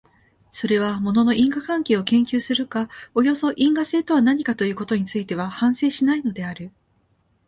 それは物の因果関係を研究するか、およそ因果性とは何かということについては反省しないのである。